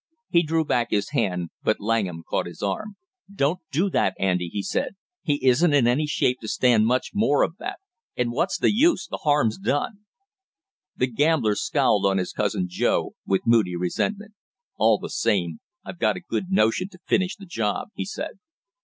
He drew back his hand, but Langham caught his arm. "Don't do that, Andy!" he said. "He isn't in any shape to stand much more of that; and what's the use, the harm's done!" The gambler scowled on his cousin Joe with moody resentment. "All the same I've got a good notion to finish the job!" he said.